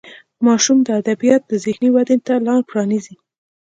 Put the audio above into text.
ماشوم ادبیات د ذهني ودې ته لار پرانیزي.